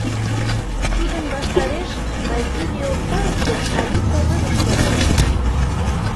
Тудын ваштареш Базилио пырыс ден Алиса рывыж шогеныт.